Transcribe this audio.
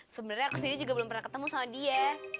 sebenarnya aku sendiri juga belum pernah ketemu sama dia